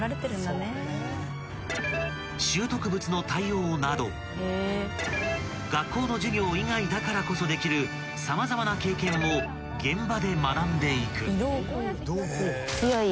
［拾得物の対応など学校の授業以外だからこそできる様々な経験を現場で学んでいく］